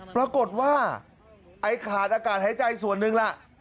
ปรากฏว่าไอ้ขาดอากาศหายใจส่วนหนึ่งล่ะ